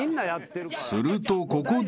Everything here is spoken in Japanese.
［するとここで］